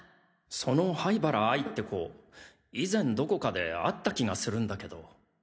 その灰原哀って子以前どこかで会った気がするんだけど。